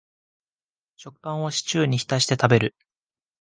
食パンをシチューに浸して食べる